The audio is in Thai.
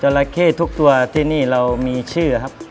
ราเข้ทุกตัวที่นี่เรามีชื่อครับ